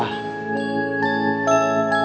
masih ada yang berpikir